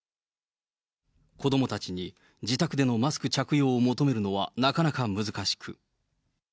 子どもたちに自宅でのマスク着用を求めるのはなかなか難しく。